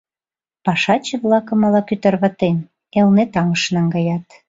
Пашаче-влакым ала-кӧ тарватен, Элнет аҥыш наҥгаят...